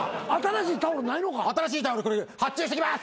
新しいタオル発注してきます。